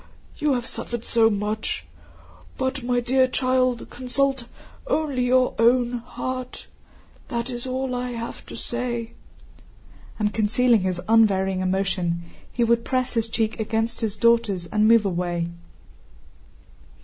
You have suffered so much.... But, my dear child, consult only your own heart. That is all I have to say," and concealing his unvarying emotion he would press his cheek against his daughter's and move away.